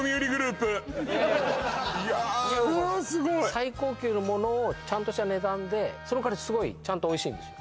最高級のものをちゃんとした値段で、その代わり、すごいちゃんとおいしいんですよ。